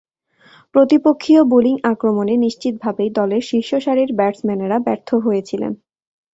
প্রতিপক্ষীয় bowling আক্রমণে নিশ্চিতভাবেই দলের শীর্ষসারির ব্যাটসম্যানেরা ব্যর্থ হয়েছিলেন।